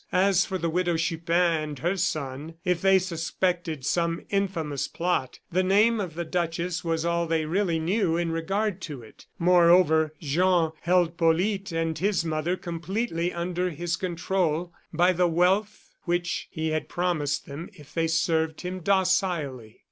As for the Widow Chupin and her son, if they suspected some infamous plot, the name of the duchess was all they really knew in regard to it. Moreover, Jean held Polyte and his mother completely under his control by the wealth which he had promised them if they served him docilely.